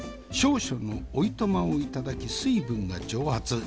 少々のおいとまを頂き水分が蒸発。